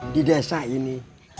di desa ini